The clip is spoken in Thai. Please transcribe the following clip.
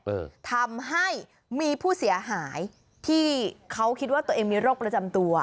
เออทำให้มีผู้เสียหายที่เขาคิดว่าตัวเองมีโรคประจำตัว